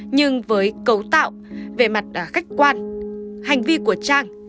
nhưng với cấu tạo về mặt khách quan hành vi của trang